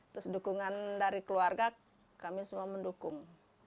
terus dukungan dari keluarga kami semua mendukung